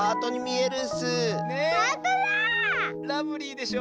ラブリーでしょ。